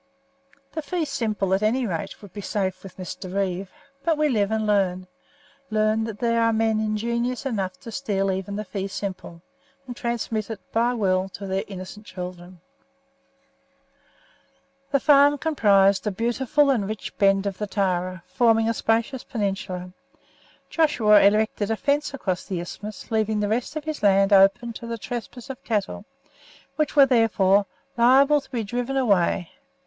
The fee simple, at any rate, would be safe with Mr. Reeve; but we live and learn learn that there are men ingenious enough to steal even the fee simple, and transmit it by will to their innocent children. The farm comprised a beautiful and rich bend of the Tarra, forming a spacious peninsula. Joshua erected a fence across the isthmus, leaving the rest of his land open to the trespass of cattle, which were, therefore, liable to be driven away.